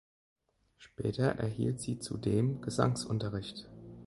Später erhielt sie zudem Gesangsunterricht.